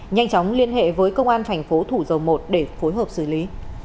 nhanh chóng liên hệ với công an thành phố thủ dầu một để phối hợp xử lý